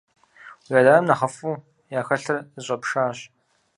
Уи адэ-анэм нэхъыфӀу яхэлъыр зыщӀэпшащ.